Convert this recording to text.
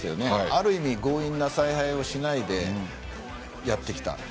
ある意味、強引な采配をしないでやってきた。